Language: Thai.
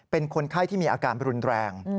เป็นคนไข้ที่มีอาการรุนแรง